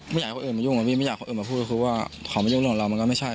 ฟันเขาก็รู้ดิว่าผมเป็นคนยังไง